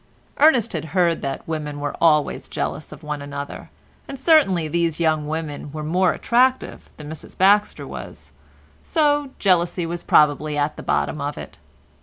Ernest had heard that women were always jealous of one another, and certainly these young women were more attractive than Mrs Baxter was, so jealousy was probably at the bottom of it.